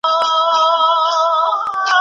له رڼا څخه تور تم ته، زر کلونه کیږي ځغلو